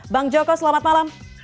bang joko selamat malam